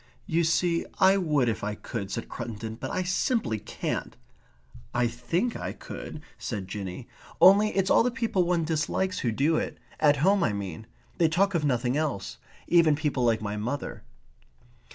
"You see, I would if I could," said Cruttendon, "but I simply can't." "I THINK I could," said Jinny. "Only, it's all the people one dislikes who do it. At home, I mean. They talk of nothing else. Even people like my mother."